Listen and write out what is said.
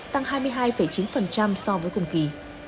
tăng hai mươi hai chín so với cùng kỳ